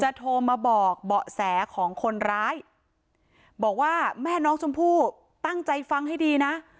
โทรมาบอกเบาะแสของคนร้ายบอกว่าแม่น้องชมพู่ตั้งใจฟังให้ดีนะ